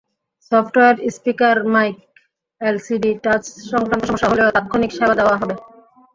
Software, speaker, mic, LCD touch সংক্রান্ত সমস্যা হলেও তাৎক্ষণিক সেবা দেওয়া হবে।